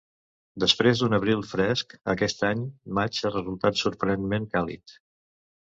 Després d'un abril fresc aquest any, maig ha resultat sorprenentment càlid